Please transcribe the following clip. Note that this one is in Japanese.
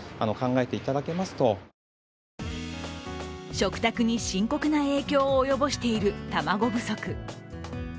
食卓に深刻な影響を及ぼしている卵不足。